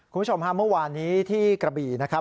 คุณผู้ชมฮะเมื่อวานนี้ที่กระบี่นะครับ